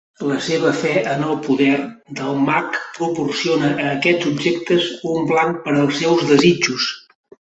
La seva fe en el poder del mag proporciona a aquests objectes un blanc per als seus desitjos.